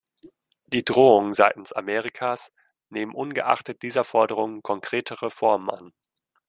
Die Drohungen seitens Amerikas nehmen ungeachtet dieser Forderungen konkretere Formen an.